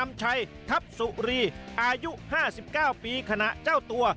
อายุ๕๙ปีขณะเจ้าตัว